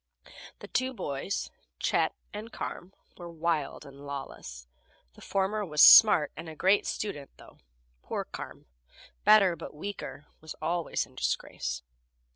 The two boys, Chet and Carm, were wild and lawless. The former was smart and a great student, though. Poor Carm, better but weaker, was always in disgrace.